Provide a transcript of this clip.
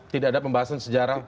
tidak ada pembahasan sejarah